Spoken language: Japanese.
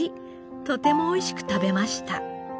とてもおいしく食べました」